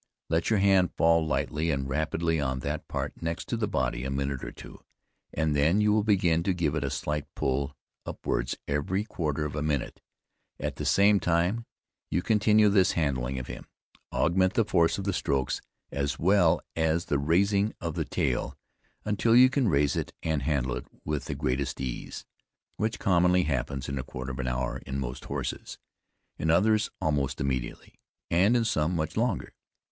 Let your hand fall lightly and rapidly on that part next to the body a minute or two, and then you will begin to give it a slight pull upwards every quarter of a minute. At the same time you continue this handling of him, augment the force of the strokes, as well as the raising of the tail, until you can raise it and handle it with the greatest ease, which commonly happens in a quarter of an hour in most horses; in others almost immediately, and in some much longer.